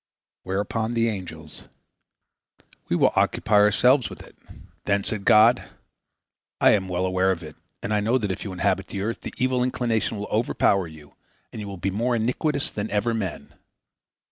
Whereupon the angels: "We will occupy ourselves with it." Then said God: "I am well aware of it, and I know that if you inhabit the earth, the evil inclination will overpower you, and you will be more iniquitous than ever men."